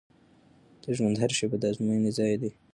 د ژوند هره شیبه د ازموینې ځای دی.